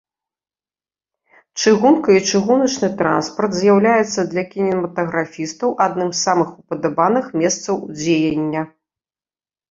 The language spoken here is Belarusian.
Чыгунка і чыгуначны транспарт з'яўляюцца для кінематаграфістаў адным з самых упадабаных месцаў дзеяння.